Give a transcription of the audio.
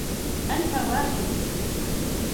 أنت واهِمٌ.